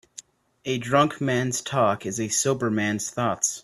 A drunk man's talk is a sober man's thought.